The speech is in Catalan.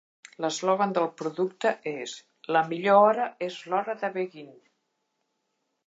L'eslògan del producte és "La millor hora és l'hora de Beggin'!"